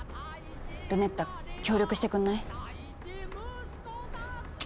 ルネッタ協力してくんない？